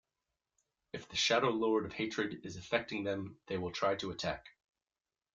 If the Shadowlord of Hatred is affecting them, they will try to attack.